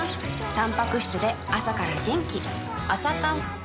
たんぱく質で朝から元気